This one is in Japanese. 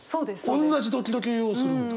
おんなじドキドキをするんだ。